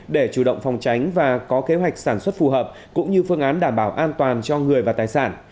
để chủ động phòng tránh và có kế hoạch sản xuất phù hợp cũng như phương án đảm bảo an toàn cho người và tài sản